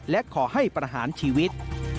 และขอให้ประหารชีวิต